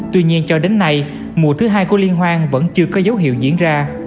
tuy nhiên cho đến nay mùa thứ hai của liên hoan vẫn chưa có dấu hiệu diễn ra